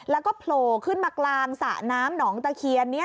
แล้วก็โผล่ขึ้นมากลางสระน้ำหนองตะเคียนนี้